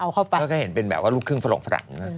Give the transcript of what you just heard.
เขาก็เห็นเป็นแบบลูกครึ่งฝรกฝรั่ง